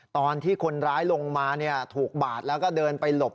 ตอนที่คนร้ายลงมาถูกบาดแล้วก็เดินไปหลบ